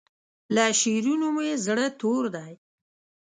له شعرونو مې زړه تور دی